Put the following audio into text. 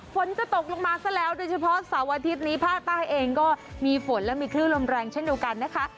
ฝนจะตกลงมาซะแล้วโดยเฉพาะเสาร์อาทิตย์นี้ภาคใต้เองก็มีฝนและมีคลื่นลมแรงเช่นเดียวกันนะคะ